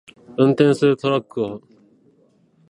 運転するトラックを